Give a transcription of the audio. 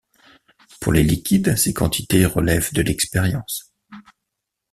Pour les liquides ces quantités relèvent de l'expérience.